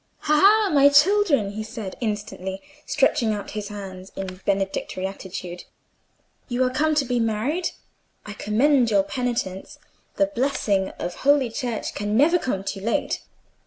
"Ha! my children!" he said, instantly, stretching out his hands in a benedictory attitude, "you are come to be married. I commend your penitence—the blessing of Holy Church can never come too late."